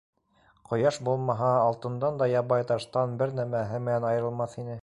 Ҡояш булмаһа, алтын да ябай таштан бер нәмәһе менән айырылмаҫ ине.